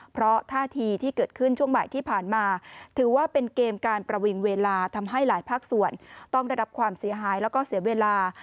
เพราะท่าทีที่เกิดขึ้นช่วงบ่ายที่ผ่านมาถือว่าเป็นเกมการประวิงเวลาทำให้หลายภาคส่วนต้องได้รับความเสียหายแล้วก็เสียเวลา